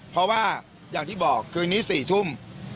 เพราะว่าอย่างที่บอกคืนนี้๔ทุ่ม